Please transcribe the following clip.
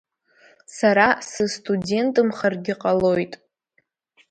Сара сыстудентымхаргьы ҟалоит.